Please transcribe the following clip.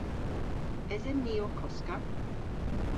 Esen ni ow koska?